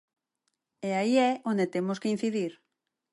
E aí é onde temos que incidir.